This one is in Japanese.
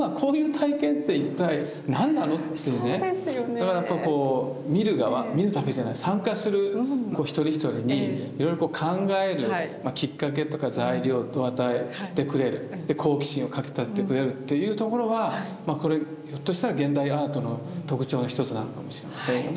だからやっぱこう見る側見るだけじゃない参加する一人一人にいろいろ考えるきっかけとか材料を与えてくれる好奇心をかきたててくれるっていうところはこれひょっとしたら現代アートの特徴の一つなのかもしれませんよね。